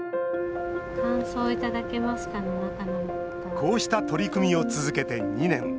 こうした取り組みを続けて２年。